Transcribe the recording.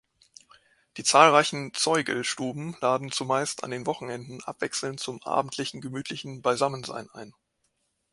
Die zahlreichen Zoigl-Stuben laden zumeist an den Wochenenden abwechselnd zum abendlichen gemütlichen Beisammensein ein.